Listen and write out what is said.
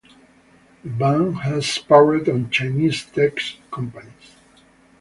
The ban has spurred on Chinese tech companies.